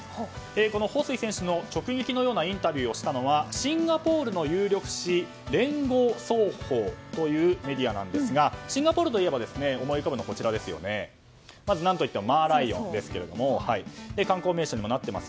このホウ・スイ選手の直撃のようなインタビューをしたのはシンガポールの有力紙聯合早報というメディアなんですがシンガポールといえば思い浮かぶのは何といってもマーライオンですが観光名所にもなっています。